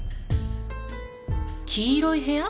『黄色い部屋』？